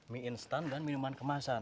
mie instan dan minuman kemasan